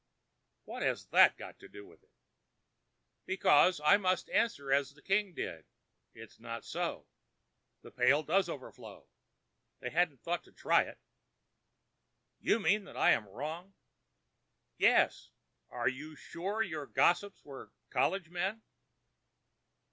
"What's that got to do with it?" "Because I must answer as the king did: It's not so—the pail does overflow. They hadn't thought to try it." "You mean that I am wrong." "Yes. Are you sure your gossips were 'college men'?"